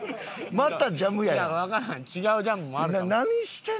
また違うジャムやん。